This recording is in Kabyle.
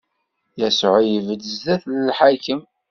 Yasuɛ ibedd zdat n lḥakem.